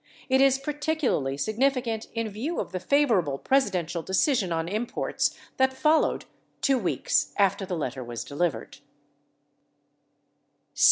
It is particularly significant in view of the favorable Presidential decision on imports that followed 2 weeks after the let ter was delivered.